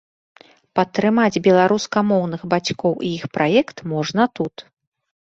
Падтрымаць беларускамоўных бацькоў і іх праект можна тут.